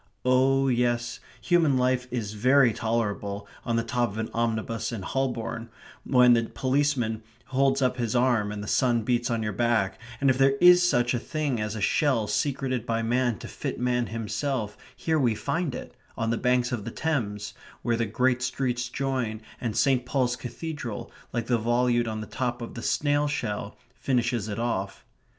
Oh yes, human life is very tolerable on the top of an omnibus in Holborn, when the policeman holds up his arm and the sun beats on your back, and if there is such a thing as a shell secreted by man to fit man himself here we find it, on the banks of the Thames, where the great streets join and St. Paul's Cathedral, like the volute on the top of the snail shell, finishes it off.